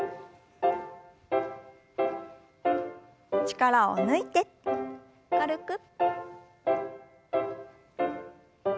力を抜いて軽く。